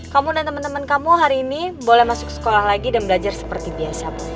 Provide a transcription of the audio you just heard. kamu dan teman teman kamu hari ini boleh masuk sekolah lagi dan belajar seperti biasa